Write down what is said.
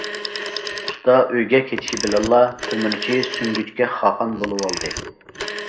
ئۇستا ئۆيىگە كېتىشى بىلەنلا، تۆمۈرچى سۈڭگۈچكە خاقان بولۇۋالدى.